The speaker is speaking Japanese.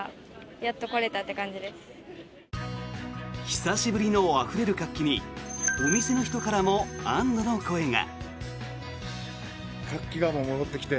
久しぶりのあふれる活気にお店の人からも安どの声が。